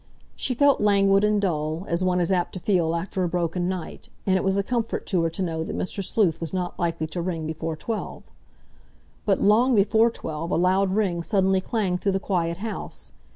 She felt languid and dull, as one is apt to feel after a broken night, and it was a comfort to her to know that Mr. Sleuth was not likely to ring before twelve. But long before twelve a loud ring suddenly clanged through the quiet house.